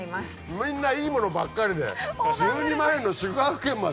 みんないいものばっかりで１２万円の宿泊券まで。